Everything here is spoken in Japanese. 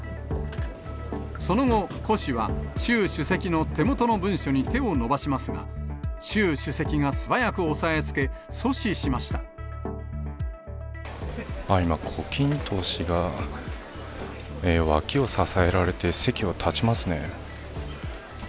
その後、胡氏は、習主席の手元の文書に手を伸ばしますが、習主席が素早く押さえつ今、胡錦濤氏が脇を支えられて、席を立ちますね。